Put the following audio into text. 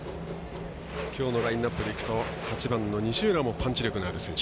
きょうのラインアップでいくと７番の西浦もパンチ力のある選手。